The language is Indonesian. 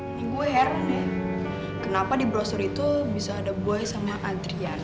ini gue heran deh kenapa di brosur itu bisa ada boy sama adriana